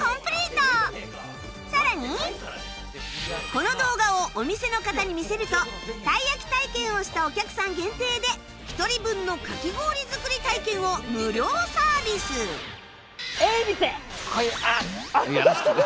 さらにこの動画をお店の方に見せるとたい焼き体験をしたお客さん限定で１人分のかき氷作り体験を無料サービスやらせてる。